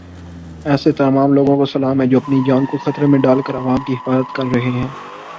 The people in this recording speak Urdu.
ایسے تمام لوگوں کو سلام ہے جو اپنی جان کو خطرے میں ڈال کر عوام کی حفاظت کر رہے ہیں۔